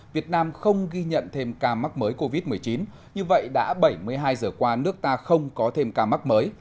việt nam không ghi nhận thêm ca mắc mới covid một mươi chín như vậy đã bảy mươi hai giờ qua nước ta không có thêm ca mắc mới